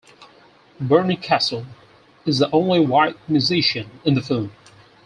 Barney Kessel is the only white musician in the film.